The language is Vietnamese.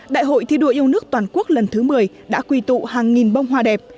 đại hội thi đua yêu nước toàn quốc lần thứ một mươi đã quy tụ hàng nghìn bông hoa đẹp